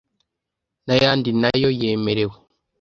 n’ayandi nayo yemerewe